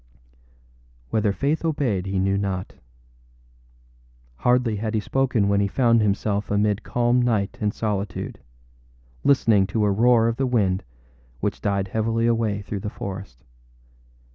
â Whether Faith obeyed he knew not. Hardly had he spoken when he found himself amid calm night and solitude, listening to a roar of the wind which died heavily away through the forest.